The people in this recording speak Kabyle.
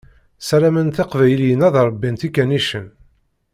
Ssarament teqbayliyin ad ṛebbint ikanicen.